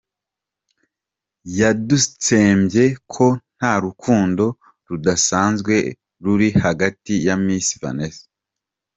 rw yadutsembeye ko nta rukundo rudasanzwe ruri hagatiye na Miss Vanessa .